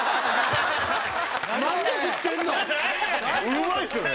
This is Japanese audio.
うまいですよね！